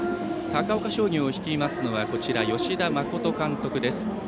高岡商業を率いますのは吉田真監督です。